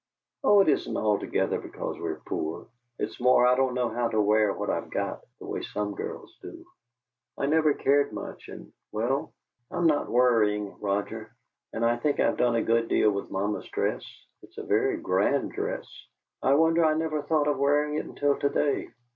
"Oh, it isn't altogether because we're poor; it's more I don't know how to wear what I've got, the way some girls do. I never cared much and well, I'M not worrying, Roger! And I think I've done a good deal with mamma's dress. It's a very grand dress. I wonder I never thought of wearing it until to day.